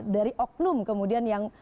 dari oknum kemudian yang